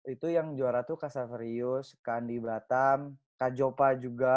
itu yang juara tuh kak saverius kak andi blatam kak jopa juga